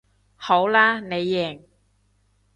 好啦你贏